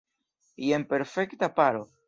Jen perfekta paro!